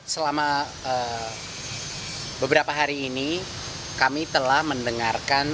selama beberapa hari ini kami telah mendengarkan